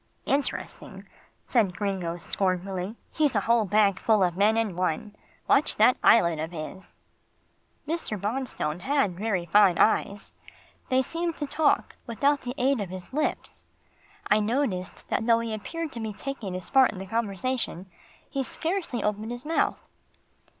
"Interesting," said Gringo scornfully, "he's a whole bag full of men in one. Watch that eyelid of his." Mr. Bonstone had very fine eyes. They seemed to talk without the aid of his lips. I noticed that though he appeared to be taking his part in the conversation, he scarcely opened his mouth.